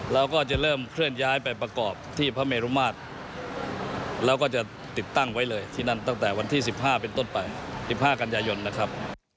เราก็จะเริ่มเคลื่อนย้ายไปประกอบที่พระเมรุมาตรแล้วก็จะติดตั้งไว้เลยที่นั่นตั้งแต่วันที่๑๕เป็นต้นไป๑๕กันยายนนะครับ